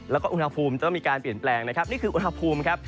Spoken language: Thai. แล้วก็อุณหภูมิจะต้องมีการเปลี่ยนแปลงนะครับนี่คืออุณหภูมิครับ